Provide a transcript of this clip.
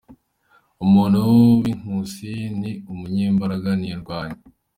Umuntu w’inkusi ni umunyembaraga, ni indwanyi.